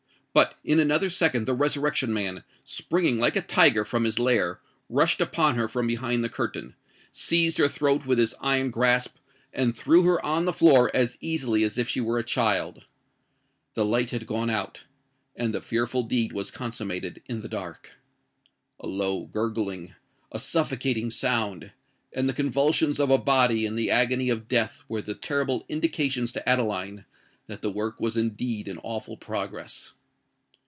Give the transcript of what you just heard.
But in another second the Resurrection Man, springing like a tiger from his lair, rushed upon her from behind the curtain—seized her throat with his iron grasp—and threw her on the floor as easily as if she were a child. The light had gone out—and the fearful deed was consummated in the dark. A low gurgling—a suffocating sound—and the convulsions of a body in the agony of death were the terrible indications to Adeline that the work was indeed in awful progress!